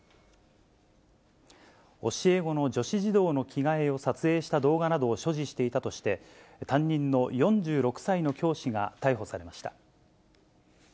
教え子の女子児童の着替えを撮影した動画などを所持していたとして、担任の４６歳の教師が逮捕されました。